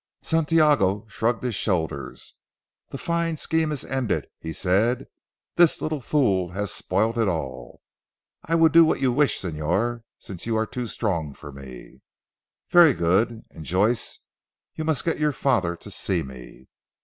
Santiago shrugged his shoulders. "The fine scheme is ended," he said, "this little fool has spoilt all. I will do what you wish Señor, since you are too strong for me." "Very good. And Joyce, you must get your father to see me."